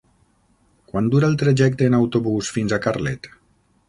Quant dura el trajecte en autobús fins a Carlet?